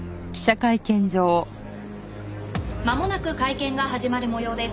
まもなく会見が始まる模様です。